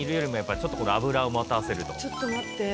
ちょっと待って。